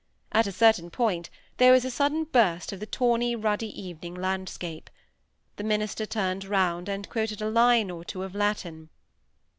At a certain point, there was a sudden burst of the tawny, ruddy evening landscape. The minister turned round and quoted a line or two of Latin.